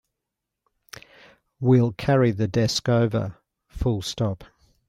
We'll carry the desk over.